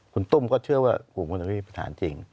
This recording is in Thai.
คุณตุ้มก็เชื่อว่ากลุ่มคนพวกนี้เป็นทหารจริง